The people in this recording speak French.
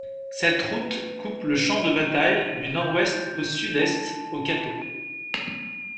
Cette route coupe le champ de bataille du nord-ouest, au sud-est au Cateau.